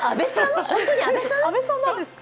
本当に阿部さんなんですか？